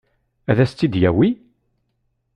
Ad s-tt-id-yawi?